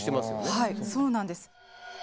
はいそうなんです。